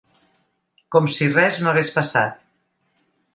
Com si res no hagués passat.